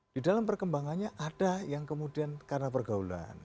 di dalam perkembangannya ada yang kemudian karena pergaulan